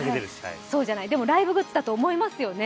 そうじゃない、でもライブグッズだと思いますよね。